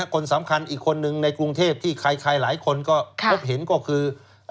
คนสำคัญอีกคนนึงในกรุงเทพที่ใครหลายคนก็พบเห็นก็คือ